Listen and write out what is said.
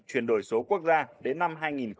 truyền đổi số quốc gia đến năm hai nghìn hai mươi năm